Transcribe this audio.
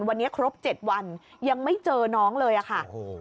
วันนี้ครบ๗วันยังไม่เจอน้องเลยอะค่ะ